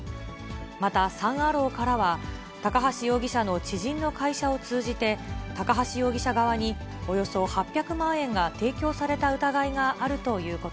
またサン・アローからは、高橋容疑者の知人の会社を通じて、高橋容疑者側におよそ８００万円が提供された疑いがあるというこ